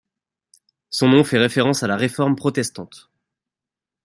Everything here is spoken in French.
Son nom fait référence à la réforme protestante.